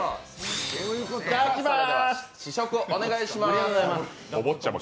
いただきます